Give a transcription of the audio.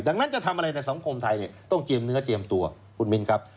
ดังนั้นจะทำอะไรในสังคมไทยเนี่ยต้องเจียมเนื้อเจียมตัวคุณมินครับ